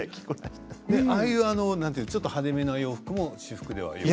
ああいう派手めの洋服も私服で？